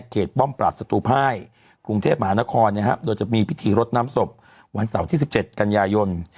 ป้อมปราศัตรูภายกรุงเทพมหานครโดยจะมีพิธีรดน้ำศพวันเสาร์ที่๑๗กันยายน